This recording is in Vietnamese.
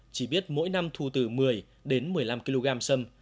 chỉ biết mỗi năm thu từ một mươi đến một mươi năm kg sâm